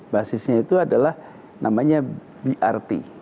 basisnya itu adalah namanya brt